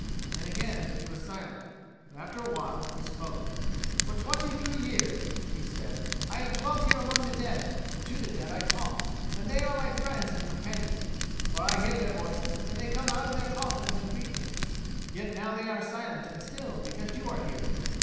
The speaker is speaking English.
And again he was silent, but after a while he spoke. "For twenty and three years," he said, "I have dwelt here among the dead; and to the dead I talk, and they are my friends and companions. For I hear their voices, and they come out of their coffins and greet me; yet now they are silent and still because you are here."